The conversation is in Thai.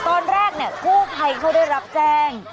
ตอนแรกเนี่ยกู้ภัยเขาได้รับแจ้ง